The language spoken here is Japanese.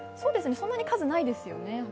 そんなに数ないですよね。